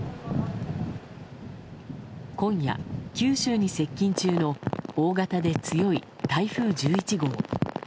今夜、九州に接近中の大型で強い台風１１号。